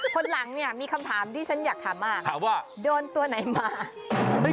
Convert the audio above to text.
คนหลังเนี่ยมีคำถามที่ฉันอยากถามมากถามว่าโดนตัวไหนมา